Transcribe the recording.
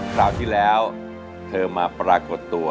คราวที่แล้วเธอมาปรากฏตัว